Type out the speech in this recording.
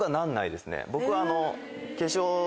僕は。